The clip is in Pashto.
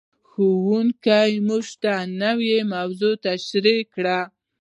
ښوونکی موږ ته نوې موضوع تشریح کړه.